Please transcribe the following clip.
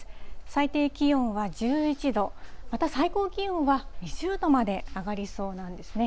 最低気温は１１度、また最高気温は２０度まで上がりそうなんですね。